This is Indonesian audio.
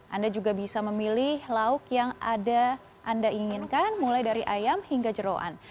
anda juga bisa memilih lauk yang ada anda inginkan mulai dari ayam hingga jerawan